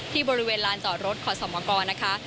ที่บริเวณลานจอดรถขอสมกรนะคะ